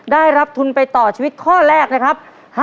ได้รับทุนไปต่อชีวิตข้อแรกนะครับ